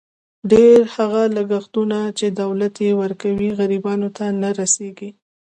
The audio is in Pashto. ډېر هغه لګښتونه، چې دولت یې کوي، غریبانو ته نه رسېږي.